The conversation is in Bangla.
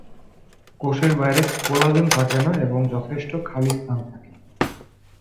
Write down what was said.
কোষের বাইরে কোলাজেন থাকে না এবং যথেষ্ট খালি স্থান থাকে।